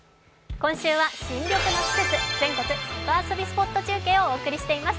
今週は新緑の季節、全国外遊びスポット中継をお送りしています。